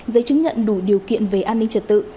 giấy chứng nhận đủ điều kiện về an ninh trật tự